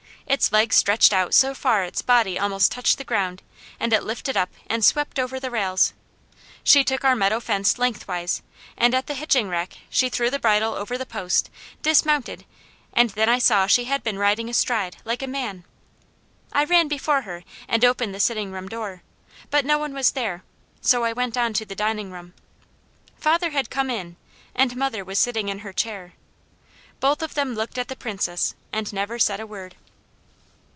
Its legs stretched out so far its body almost touched the ground, and it lifted up and swept over the rails. She took our meadow fence lengthwiselike, and at the hitching rack she threw the bridle over the post, dismounted, and then I saw she had been riding astride, like a man. I ran before her and opened the sitting room door, but no one was there, so I went on to the dining room. Father had come in, and mother was sitting in her chair. Both of them looked at the Princess and never said a word.